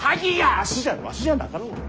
わしじゃわしじゃなかろうが。